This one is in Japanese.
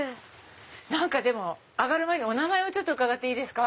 何かでも上がる前にお名前を伺っていいですか？